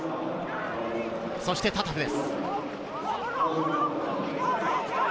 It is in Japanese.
そしてタタフです。